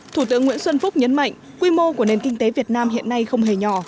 thủ tướng nguyễn xuân phúc nhấn mạnh quy mô của nền kinh tế việt nam hiện nay không hề nhỏ